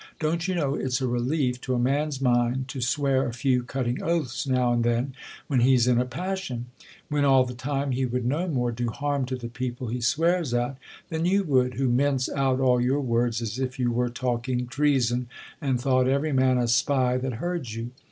Don't you know it's a relief to a man's mind to swear a few cutting oaths now and then, when he's in a passion ? when all the time he would no more do harm to the people he swears at, than you would, who mince out all your words as if you werej talking treason, and thought every man a spy that heard you.